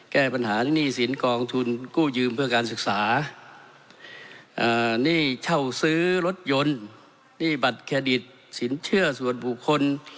แก้ปัญหาหนี้สินกองทุนกู้ยืมเพื่อการศึกษาหนี้เช่าซื้อรถยนต์หนี้บัตรเครดิตสินเชื่อส่วนบุคคล